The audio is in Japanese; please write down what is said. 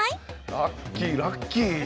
ラッキー、ラッキー。